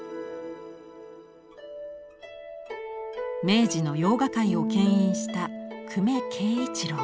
明治の洋画界をけん引した久米桂一郎。